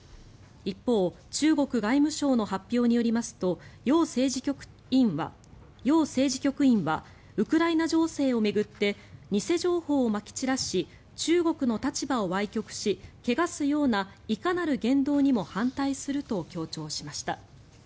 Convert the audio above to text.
一方、中国外務省の発表によりますとヨウ政治局委員はウクライナ情勢を巡って偽情報をまき散らし中国の立場をわい曲し汚すようないかなる言動にも反対すると強調しました。